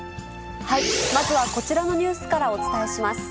まずはこちらのニュースからお伝えします。